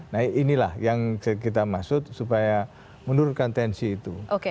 nah inilah yang kita maksud supaya menurutkan tnc itu